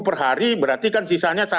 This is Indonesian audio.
per hari berarti kan sisanya